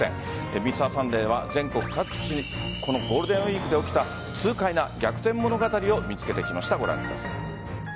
「Ｍｒ．サンデー」は全国各地このゴールデンウイークで起きた痛快な逆転物語を見つけてきました。